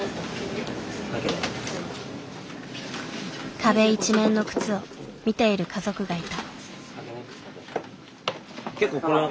壁一面の靴を見ている家族がいた。